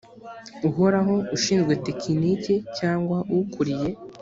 uhoraho ushinzwe tekiniki cyangwa ukuriye